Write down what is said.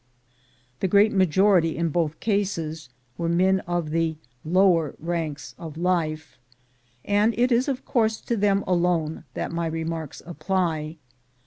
The great majority in both cases were men of the lower ranks of life, and it is of course to them alone that my remarks apply.